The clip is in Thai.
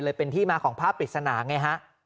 เป็นที่มาของภาพปริศนาไงฮะ